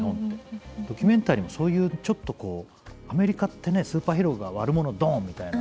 ドキュメンタリーもそういうちょっとこうアメリカってねスーパーヒーローが悪者ドンみたいな。